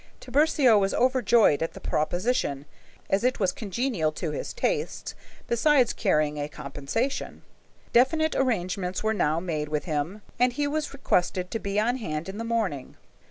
Tiburcio was overjoyed at the proposition, as it was congenial to his tastes, besides carrying a compensation. Definite arrangements were now made with him, and he was requested to be on hand in the morning.